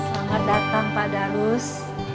selamat datang pak d'arus